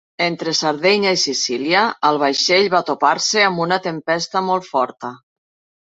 Entre Sardenya i Sicília, el vaixell va topar-se amb una tempesta molt forta.